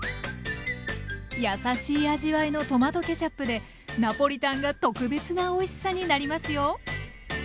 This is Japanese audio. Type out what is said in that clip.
やさしい味わいのトマトケチャップでナポリタンが特別なおいしさになりますよ！